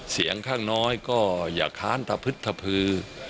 เสียงข้างน้อยก็อย่าค้านตะพึดตะพือ